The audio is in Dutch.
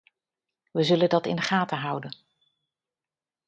We zullen dat in de gaten houden.